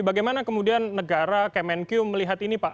bagaimana kemudian negara kemenq melihat ini pak